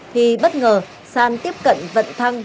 thì bất ngờ sàn tiếp cận vận thăng